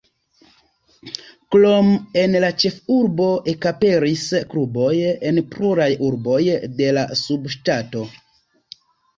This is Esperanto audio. Krom en la ĉefurbo ekaperis kluboj en pluraj urboj de la subŝtato.